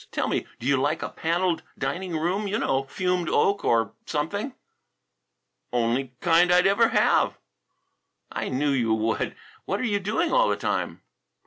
Tell me, do you like a panelled dining room, you know, fumed oak, or something?" "Only kind I'd ever have." "I knew you would. What are you doing all the time?"